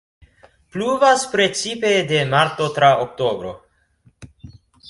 Pluvas precipe de marto tra oktobro.